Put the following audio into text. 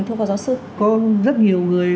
thưa phó giáo sư có rất nhiều người